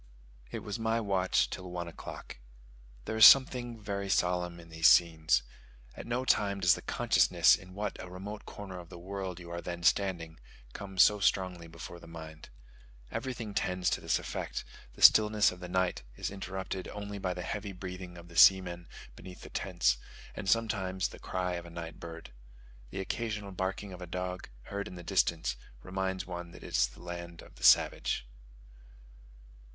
It was my watch till one o'clock. There is something very solemn in these scenes. At no time does the consciousness in what a remote corner of the world you are then standing, come so strongly before the mind. Everything tends to this effect; the stillness of the night is interrupted only by the heavy breathing of the seamen beneath the tents, and sometimes by the cry of a night bird. The occasional barking of a dog, heard in the distance, reminds one that it is the land of the savage.